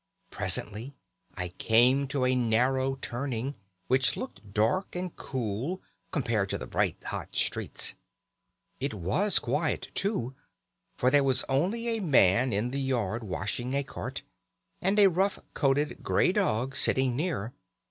Presently I came to a narrow turning, which looked dark and cool compared to the bright hot streets. It was quiet too, for there was only a man in the yard washing a cart, and a rough coated grey dog sitting near.